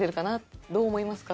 どう思いますか？